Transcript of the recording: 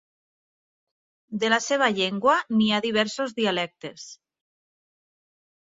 De la seva llengua n'hi ha diversos dialectes.